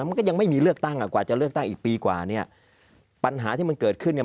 และเต็มความยังไม่มีเลือกตั้งกว่าจะเลือกตั้งอีกปีกว่านี้ปัญหาที่มันเกิดขึ้นนี้